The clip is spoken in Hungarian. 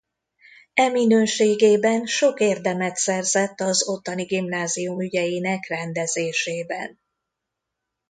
E minőségében sok érdemet szerzett az ottani gimnázium ügyeinek rendezésében.